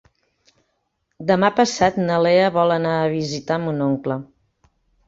Demà passat na Lea vol anar a visitar mon oncle.